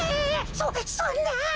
そそんな。